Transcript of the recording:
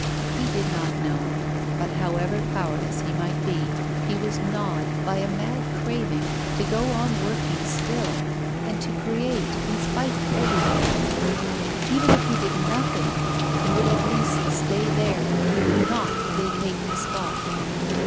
He did not know, but, however powerless he might be, he was gnawed by a mad craving to go on working still and to create in spite of everything. Even if he did nothing, he would at least stay there, he would not vacate the spot.